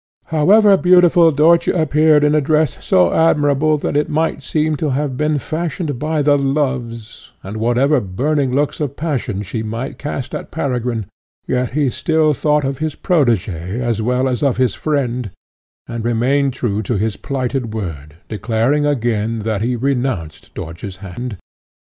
However beautiful Dörtje appeared in a dress so admirable that it might seem to have been fashioned by the Loves, and whatever burning looks of passion she might cast at Peregrine, yet he still thought of his protegé as well as of his friend, and remained true to his plighted word, declaring again that he renounced Dörtje's hand.